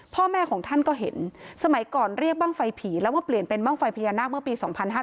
พ่อแม่ของท่านก็เห็นสมัยก่อนเรียกบ้างไฟผีแล้วมาเปลี่ยนเป็นบ้างไฟพญานาคเมื่อปี๒๕๕๙